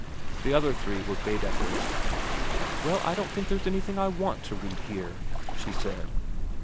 The other three were Baedekers. ' Well, I don't think there's anything I want to read here,' she said.